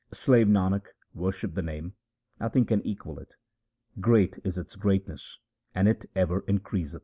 Slave Nanak, worship the Name ; nothing can equal it. Great is its greatness, and it ever increaseth, SIKH.